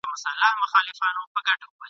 نه له شیخه څوک ډاریږي نه غړومبی د محتسب وي !.